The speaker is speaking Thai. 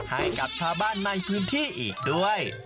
ให้กับชาวบ้านในพื้นที่อีกด้วย